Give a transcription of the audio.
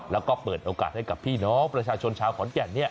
แล้วก็เปิดโอกาสให้กับพี่น้องประชาชนชาวขอนแก่น